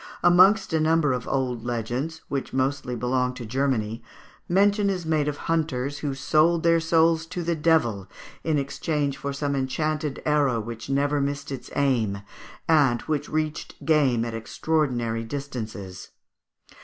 Amongst a number of old legends, which mostly belong to Germany (Fig. 137), mention is made of hunters who sold their souls to the devil in exchange for some enchanted arrow which never missed its aim, and which reached game at extraordinary distances.